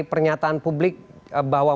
pernyataan publik bahwa